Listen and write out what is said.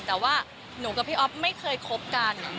แต่ว่าหนูกับพี่อ๊อฟไม่เคยคบกัน